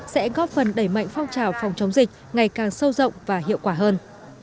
sẽ góp phần đẩy mạnh phong trào phòng chống dịch ngày càng sâu rộng và hiệu quả hơn